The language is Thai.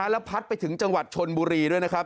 แล้วพัดไปถึงจังหวัดชนบุรีด้วยนะครับ